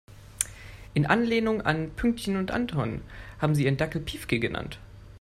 In Anlehnung an Pünktchen und Anton haben sie ihren Dackel Piefke genannt.